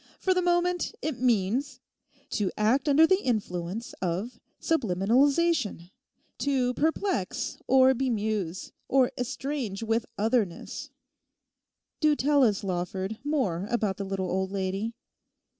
For the moment it means, "To act under the influence of subliminalization; To perplex, or bemuse, or estrange with otherness." Do tell us, Lawford, more about the little old lady.